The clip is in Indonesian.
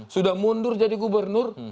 sudah mundur jadi gubernur